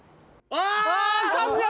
あ！